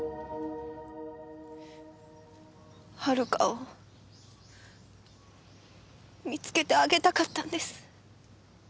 遥を見つけてあげたかったんです。